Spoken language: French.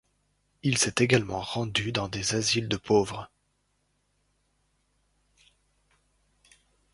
Il s'est également rendu dans des asiles de pauvres.